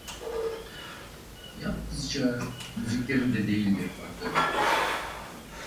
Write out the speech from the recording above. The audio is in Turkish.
Yalnızca müziklerinde değildir farklılıklar.